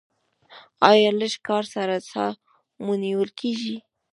ایا لږ کار سره ساه مو نیول کیږي؟